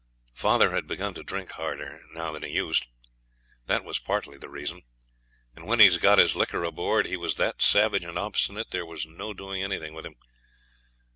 Father had begun to drink harder now than he used; that was partly the reason. And when he'd got his liquor aboard he was that savage and obstinate there was no doing anything with him.